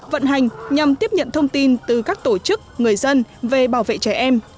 vận hành nhằm tiếp nhận thông tin từ các tổ chức người dân về bảo vệ trẻ em